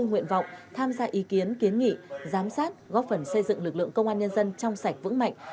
nguyện vọng tham gia ý kiến kiến nghị giám sát góp phần xây dựng lực lượng công an nhân dân trong sạch vững mạnh